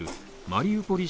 マリウポリ